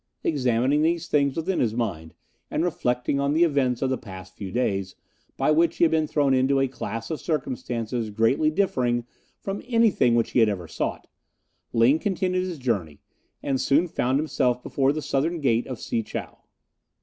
Examining these things within his mind, and reflecting on the events of the past few days, by which he had been thrown into a class of circumstances greatly differing from anything which he had ever sought, Ling continued his journey, and soon found himself before the southern gate of Si chow.